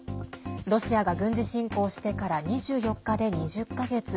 ロシアが軍事侵攻してから２４日で２０か月。